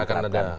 gak akan ada